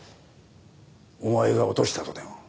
お前が落としたとでも？